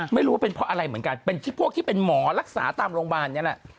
ไม่รู้ว่าเป็นเพราะอะไรเหมือนกันเป็นที่พวกที่เป็นหมอรักษาตามโรงพยาบาลนี่แหละ